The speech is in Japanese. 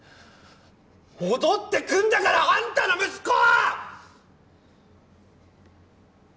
戻ってくんだからあんたの息子は！